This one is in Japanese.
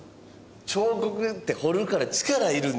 彫刻って彫るから力いるんですよね。